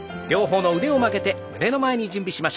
両方の腕を曲げて胸の前に。